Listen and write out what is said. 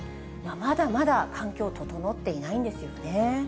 まだまだ環境、整っていないんですよね。